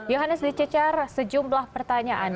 yohanes dicecar sejumlah pertanyaan